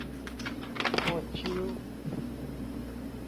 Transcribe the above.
โคตรชิล